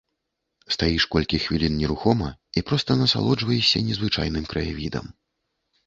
Стаіш колькі хвілін нерухома і проста насалоджваешся незвычайным краявідам.